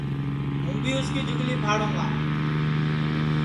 ہوں بھی اُس کی جُھگلی پھاڑوں گا